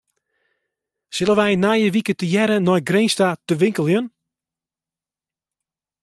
Sille wy nije wike tegearre nei Grins ta te winkeljen?